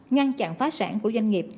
ngăn chặn phá sản của doanh nghiệp